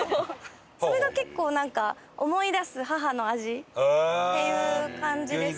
それが結構思い出す母の味っていう感じですね。